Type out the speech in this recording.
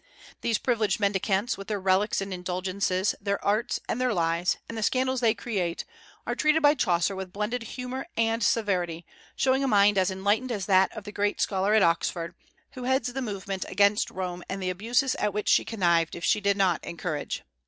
These privileged mendicants, with their relics and indulgences, their arts and their lies, and the scandals they create, are treated by Chaucer with blended humor and severity, showing a mind as enlightened as that of the great scholar at Oxford, who heads the movement against Rome and the abuses at which she connived if she did not encourage.